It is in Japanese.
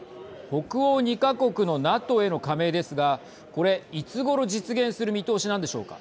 北欧２か国のＮＡＴＯへの加盟ですがこれ、いつごろ実現する見通しなんでしょうか。